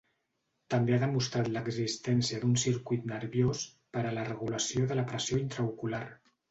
També ha demostrat l'existència d'un circuit nerviós per a la regulació de la pressió intraocular.